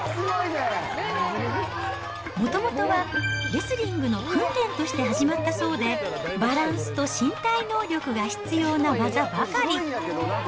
もともとは、レスリングの訓練として始まったそうで、バランスと身体能力が必要な技ばかり。